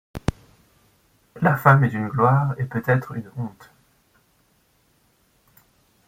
La femme est une gloire et peut être une honte